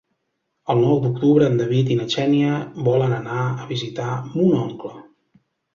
El nou d'octubre en David i na Xènia volen anar a visitar mon oncle.